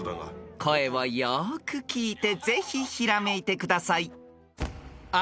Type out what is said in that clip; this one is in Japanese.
［声をよく聞いてぜひひらめいてください］